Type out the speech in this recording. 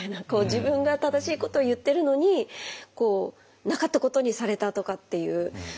自分が正しいことを言ってるのになかったことにされたとかっていう。